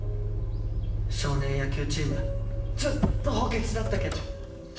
少年野球チームずっと補欠だったけど。